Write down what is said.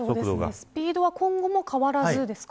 スピードは今後も変わらずですか。